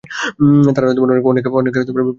তারা অনেককে বিভ্রান্ত করেছে।